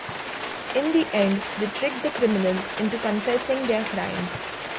In the end, they trick the criminals into confessing their crimes.